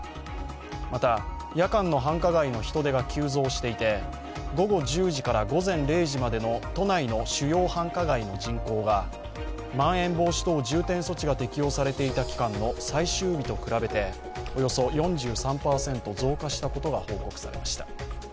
また、夜間の繁華街の人出が急増していて午後１０時から午前０時までの都内の主要繁華街の人口がまん延防止等重点措置が適用されていた期間の最終日と比べておよそ４３％増加したことが報告されました。